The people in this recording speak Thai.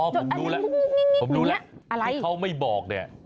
อ๋อผมรู้แล้วพูดว่าเค้าไม่บอกเนี่ย